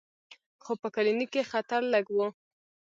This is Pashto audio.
خو په کلینیک کې خطر لږ و.